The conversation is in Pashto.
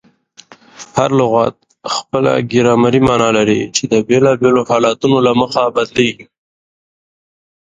هر لغت خپله ګرامري مانا لري، چي د بېلابېلو حالتونو له مخه بدلېږي.